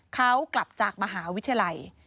เขากลับจากมหาวิทยาลัย